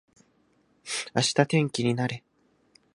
明日天気になれ